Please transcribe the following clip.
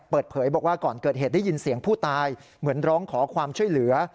เปิดเผยบอกว่าก่อนเกิดเหตุได้ยินเสียงผู้ตายเหมือนร้องขอความช่วยเหลือ